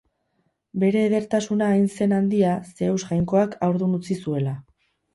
Bere edertasuna hain zen handia, Zeus jainkoak haurdun utzi zuela.